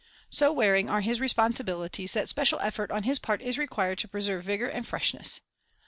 So wearing are his responsibilities that special effort on his part is required to preserve vigor and freshness.